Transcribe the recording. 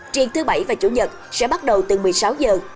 triện thứ bảy và chủ nhật sẽ bắt đầu từ một mươi sáu h